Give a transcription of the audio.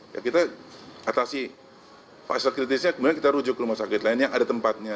ya kita atasi fase kritisnya kemudian kita rujuk ke rumah sakit lain yang ada tempatnya